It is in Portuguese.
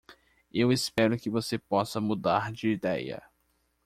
Eu espero que você possa mudar de ideia.